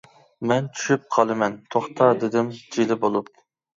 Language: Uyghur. مەن چۈشۈپ قالىمەن، توختا-دېدىم جىلە بولۇپ.